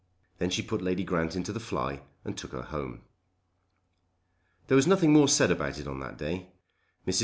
Then she put Lady Grant into the fly and took her home. There was nothing more said about it on that day. Mrs.